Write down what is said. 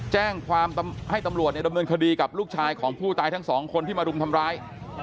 แจ้งความให้ตำรวจดำเนินคดีกับลูกชายของผู้ตายทั้งสองคนที่มารุมทำร้าย